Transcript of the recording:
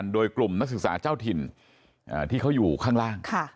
โดยกลุ่มนักศึกษาเจ้าถิ่นที่เขาอยู่ข้างล่าง